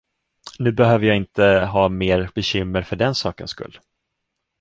Nu behöver jag inte ha mer bekymmer för den sakens skull.